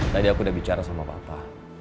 tadi aku udah bicara sama bapak